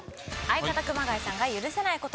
相方熊谷さんが許せない事は？